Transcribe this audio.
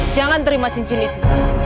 jangan terima cincin itu